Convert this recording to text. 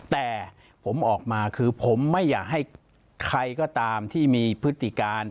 แต่ผมออกมาคือผมไม่อยากให้ใครก็ตามที่มีพฤติการ